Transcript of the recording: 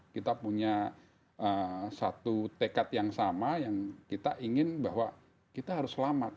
kita punya satu tekad yang sama yang kita ingin bahwa kita harus selamat